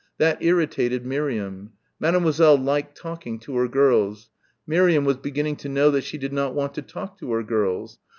That irritated Miriam. Mademoiselle liked talking to her girls. Miriam was beginning to know that she did not want to talk to her girls.